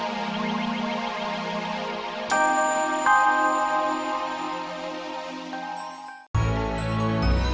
simul datang disini